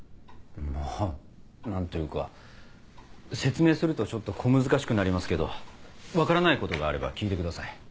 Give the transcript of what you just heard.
まぁ何というか説明するとちょっと小難しくなりますけど分からないことがあれば聞いてください。